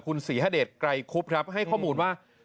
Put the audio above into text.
คุณศรีฮเดชไกรคุบครับให้ข้อมูลว่า